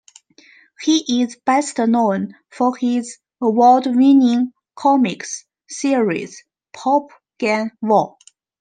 He is best known for his award-winning comics series "Pop Gun War".